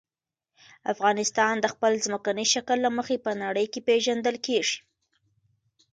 افغانستان د خپل ځمکني شکل له مخې په نړۍ کې پېژندل کېږي.